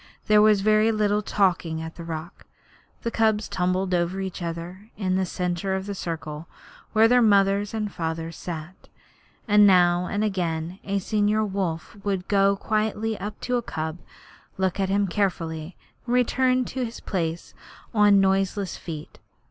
There was very little talking at the rock. The cubs tumbled over each other in the centre of the circle where their mothers and fathers sat, and now and again a senior wolf would go quietly up to a cub, look at him carefully, and return to his place on noiseless feet.